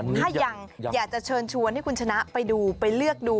ถ้ายังอยากจะเชิญชวนให้คุณชนะไปดูไปเลือกดู